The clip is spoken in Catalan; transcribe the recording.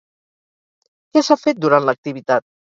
Què s'ha fet durant l'activitat?